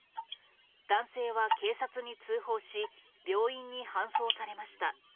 男性は警察に通報し、病院に搬送されました。